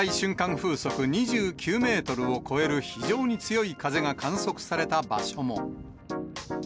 風速２９メートルを超える非常に強い風が観測された場所